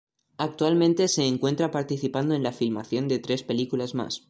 Actualmente se encuentra participando en la filmación de tres películas más.